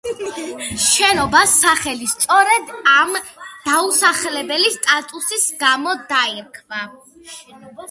შენობას სახელი სწორედ ამ დაუსახლებელი სტატუსის გამო დაერქვა.